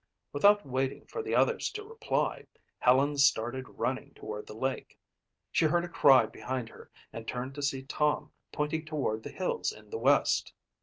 Without waiting for the others to reply, Helen started running toward the lake. She heard a cry behind her and turned to see Tom pointing toward the hills in the west.